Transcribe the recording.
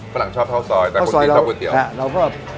หลังชอบข้าวซอยแต่คนชื่นชอบก๋วยเตี๋ยว